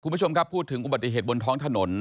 คุณผู้ชมครับพูดถึงอุบัติเหตุบนท้องถนน